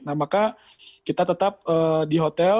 nah maka kita tetap di hotel